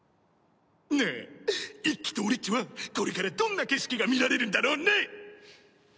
なあ一輝と俺っちはこれからどんな景色が見られるんだろうね。